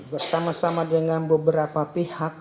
bersama sama dengan beberapa pihak